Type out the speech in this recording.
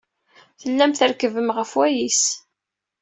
Tellam trekkbem ɣef wayis.